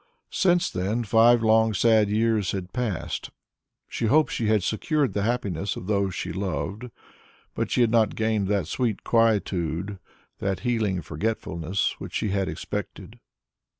Since then five long sad years had passed. She hoped she had secured the happiness of those she loved, but she had not gained that sweet quietude, that healing forgetfulness which she had expected.